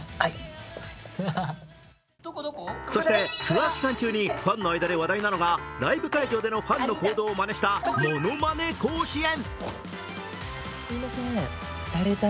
そしてツアー期間中にファンの間で話題なのがライブ会場でのファンの行動をまねしたものまね甲子園。